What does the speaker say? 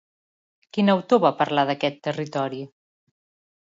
Quin autor va parlar d'aquest territori?